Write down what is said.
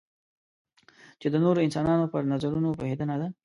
چې د نورو انسانانو پر نظرونو پوهېدنه ده.